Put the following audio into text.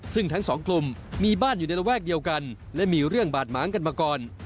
ซึ่งทั้งสองกลุ่มมีบ้านอยู่ในระแวกเดียวกันและมีเรื่องบาดหมางกันมาก่อน